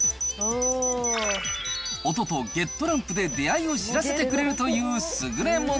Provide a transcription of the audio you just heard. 音とＧＥＴランプで出会いを知らせてくれるというすぐれもの。